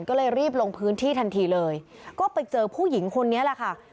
ก็เลยรีบลงพื้นที่ทันทีเลยก็ไปเจอผู้หญิงคนนี้แหละค่ะ